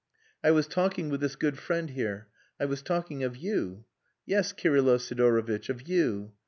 I was talking with this good friend here. I was talking of you. Yes, Kirylo Sidorovitch, of you.